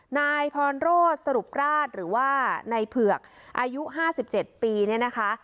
นายพรโรธสรุปราชหรือว่าในเผือกอายุ๕๗ปีเนี่ยนะคะ